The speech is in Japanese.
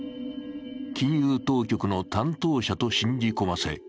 金融当局の担当者と信じ込ませ